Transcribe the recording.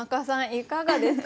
いかがですか？